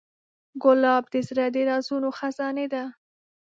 ګلاب د زړه د رازونو خزانې ده.